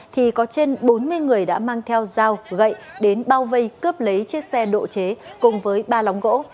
thì có trên bốn mươi người đã mang theo dao gậy đến bao vây cướp lấy chiếc xe độ chế cùng với ba lóng gỗ